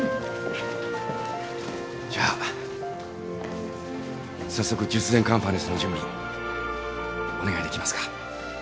じゃあ早速術前カンファレンスの準備お願いできますか？